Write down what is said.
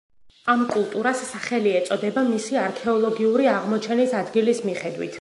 ამ კულტურას სახელი ეწოდება მისი არქეოლოგიური აღმოჩენის ადგილის მიხედვით.